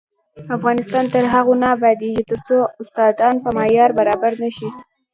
افغانستان تر هغو نه ابادیږي، ترڅو استادان په معیار برابر نشي.